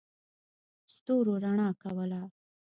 ستورو رڼا کوله.